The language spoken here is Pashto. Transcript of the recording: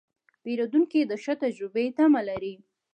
پیرودونکی د ښه تجربې تمه لري.